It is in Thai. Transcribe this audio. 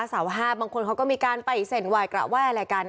สาวฮาบบลงคลก็มีการเปยสินไหว้กระแวยอะไรกัน